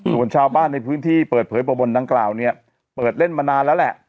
ส่วนชาวบ้านในพื้นที่เปิดเผยประบนดังกล่าวเนี่ยเปิดเล่นมานานแล้วแหละ